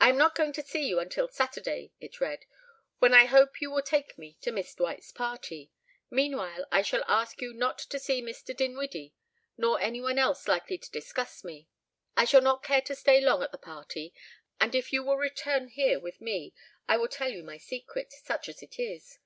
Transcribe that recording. "I am not going to see you until Saturday," it read, "when I hope you will take me to Miss Dwight's party. Meanwhile I shall ask you not to see Mr. Dinwiddie nor any one else likely to discuss me. I shall not care to stay long at the party and if you will return here with me I will tell you my secret, such as it is.